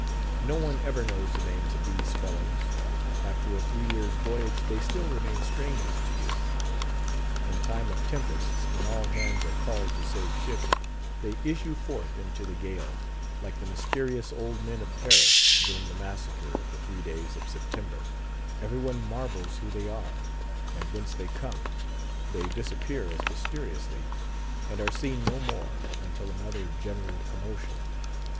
No one ever knows the names of these fellows; after a three years' voyage, they still remain strangers to you. In time of tempests, when all hands are called to save ship, they issue forth into the gale, like the mysterious old men of Paris, during the massacre of the Three Days of September: every one marvels who they are, and whence they come; they disappear as mysteriously; and are seen no more, until another general commotion.